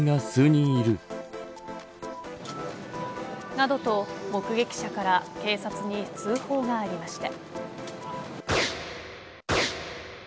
などと、目撃者から警察に通報がありました。